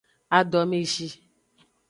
Adomezi.